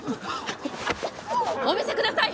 お見せください！